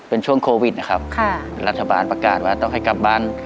เป็นช่วงโควิดนะครับค่ะรัฐบาลประกาศว่าต้องให้กลับบ้าน